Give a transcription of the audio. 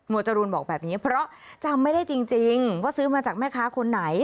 จรูนบอกแบบนี้เพราะจำไม่ได้จริงว่าซื้อมาจากแม่ค้าคนไหน